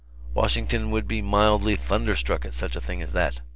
Washington would be mildly thunderstruck at such a thing as that.